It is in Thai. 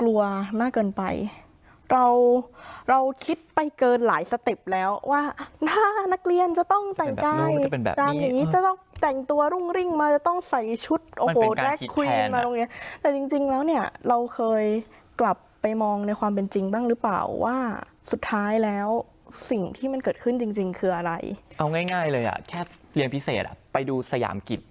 เราเราคิดไปเกินหลายสเต็ปแล้วว่าถ้านักเรียนจะต้องแต่งกายดังอย่างงี้จะต้องแต่งตัวรุ่งริ่งมาจะต้องใส่ชุดโอ้โหแร็คควีนมาโรงเรียนแต่จริงจริงแล้วเนี่ยเราเคยกลับไปมองในความเป็นจริงบ้างหรือเปล่าว่าสุดท้ายแล้วสิ่งที่มันเกิดขึ้นจริงจริงคืออะไรเอาง่ายง่ายเลยอ่ะแค่เรียนพิเศษอ่ะไปดูสยามกิจ